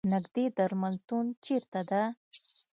نیږدې درملتون چېرته ده؟